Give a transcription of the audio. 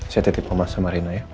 sihat siatin mama sama rena ya